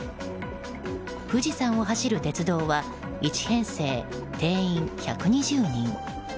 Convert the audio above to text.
富士山を走る鉄道は１編成、定員１２０人。